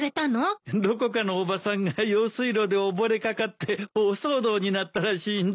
どこかのおばさんが用水路で溺れかかって大騒動になったらしいんだ。